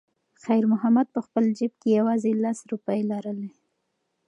خیر محمد په خپل جېب کې یوازې لس روپۍ لرلې.